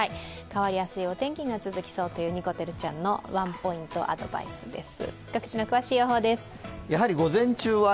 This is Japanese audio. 変わりやすいお天気が続くというにこてるちゃんのワンポイントアドバイスです。